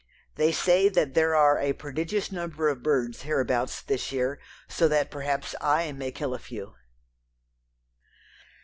They say that there are a prodigious number of birds hereabouts this year, so that perhaps I may kill a few."